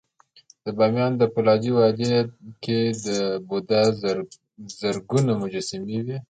د بامیانو د فولادي وادي کې د بودا زرګونه مجسمې وې